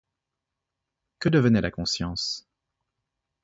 Que devenait la conscience?